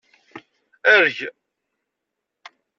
Erg!